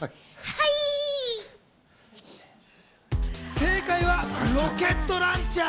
正解はロケットランチャー。